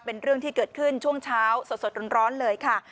เป็นเรื่องที่เกิดขึ้นช่วงเช้าสดร้อนเลยค่ะ